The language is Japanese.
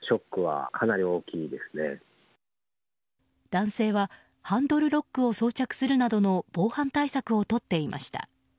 男性はハンドルロックを装着するなどの防犯対策をとっていました。